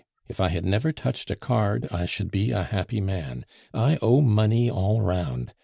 If I had never touched a card, I should be a happy man. I owe money all round.